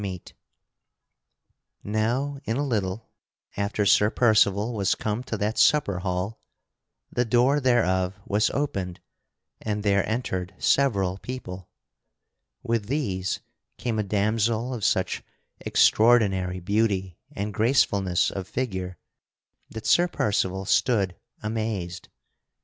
[Sidenote: Sir Percival beholds the Lady Blanchefleur] Now in a little after Sir Percival was come to that supper hall the door thereof was opened and there entered several people. With these came a damsel of such extraordinary beauty and gracefulness of figure that Sir Percival stood amazed.